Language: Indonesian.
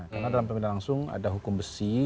karena dalam pemimpinan langsung ada hukum besi